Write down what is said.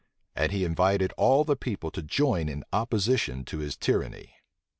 And he invited all the people to join in opposition to his tyranny.